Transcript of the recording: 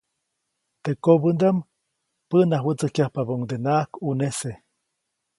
Teʼ kobändaʼm päʼnawätsäjkyajpabäʼuŋdenaʼak ʼunese.